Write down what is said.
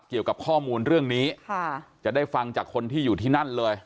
เกี่ยวกับข้อมูลเรื่องนี้ค่ะจะได้ฟังจากคนที่อยู่ที่นั่นเลย